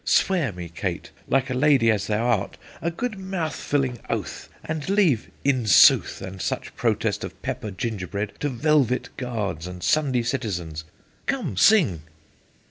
Swear me, Kate, like a lady as thou art, A good mouth filling oath; and leave 'in sooth,' And such protest of pepper gingerbread, To velvet guards and Sunday citizens. Come, sing.